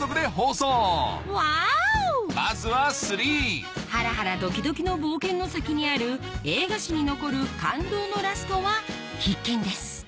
まずは『３』ハラハラドキドキの冒険の先にある映画史に残る感動のラストは必見です